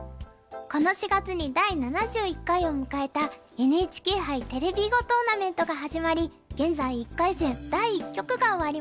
この４月に第７１回を迎えた「ＮＨＫ杯テレビ囲碁トーナメント」が始まり現在１回戦第１局が終わりました。